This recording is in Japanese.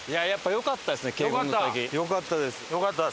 良かったです。